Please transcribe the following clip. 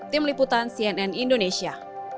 tim liputan cnn indonesia